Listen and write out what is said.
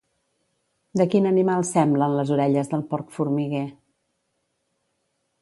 De quin animal semblen les orelles del porc formiguer?